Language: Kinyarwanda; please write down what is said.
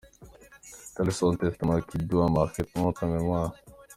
Tel est son testament qui doit marquer notre mémoire!